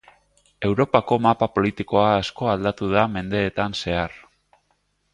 Europako mapa politikoa asko aldatu da mendeetan zehar.